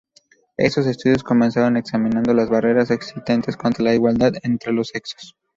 Estos estudios comenzaron examinando las barreras existentes contra la igualdad entre los sexos.